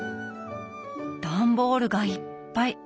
段ボールがいっぱい。